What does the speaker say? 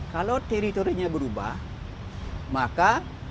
kalau teritorianya berubah maka